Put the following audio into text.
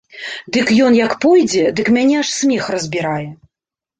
Дык ён як пойдзе, дык мяне аж смех разбірае.